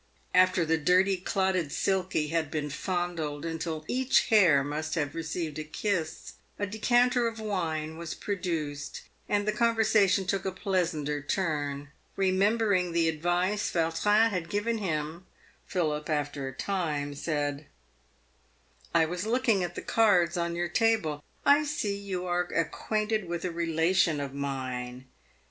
After the dirty, clotted Silky had been fondled until each hair must have received a kiss, a decanter of wine was produced, and the conversation took a pleasanter turn. Eemembering the advice Vau trin had given him, Philip, after a time, said, " I was looking at the cards on your table. I see you are ac quainted with a relation of mine."